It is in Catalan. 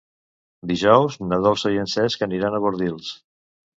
Dijous na Dolça i en Cesc aniran a Bordils.